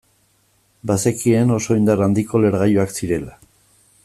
Bazekien oso indar handiko lehergailuak zirela.